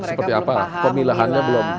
seperti apa pemilahannya belum